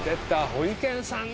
ホリケンさんね。